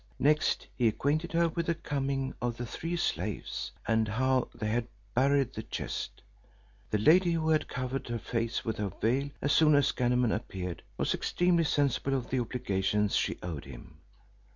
Next he acquainted her with the coming of the three slaves, and how they had buried the chest. The lady, who had covered her face with her veil as soon as Ganem appeared, was extremely sensible of the obligations she owed him.